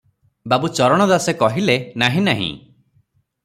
ବାବୁ ଚରଣ ଦାସେ କହିଲେ-ନାହିଁ, ନାହିଁ ।